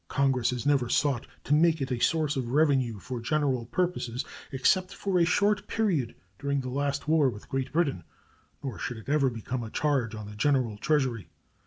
Congress has never sought to make it a source of revenue for general purposes except for a short period during the last war with Great Britain, nor should it ever become a charge on the general Treasury.